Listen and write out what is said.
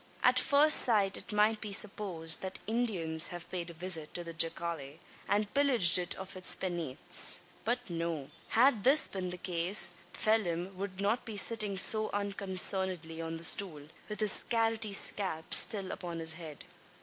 At first sight it might be supposed that Indians have paid a visit to the jacale, and pillaged it of its penates. But no. Had this been the case, Phelim would not be sitting so unconcernedly on the stool, with his carroty scalp still upon his head.